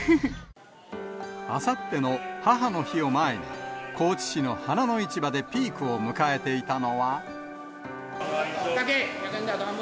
あさっての母の日を前に、高知市の花の市場でピークを迎えていたのは。